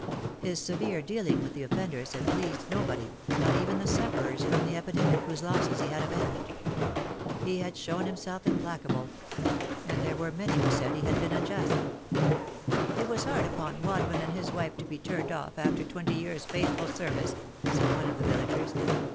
His severe dealing with the offenders had pleased nobody, not even the sufferers from the epidemic, whose losses he had avenged. He had shown himself implacable ; and there were many who said he had been unjust. " It was hard upon Wadman and his wife to be turned off after twenty years' faithful service," said one of the villagers.